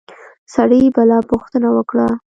سړي بله پوښتنه وکړه.